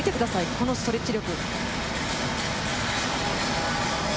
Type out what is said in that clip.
このストレッチ力。